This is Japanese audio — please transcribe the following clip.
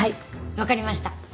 わかりました。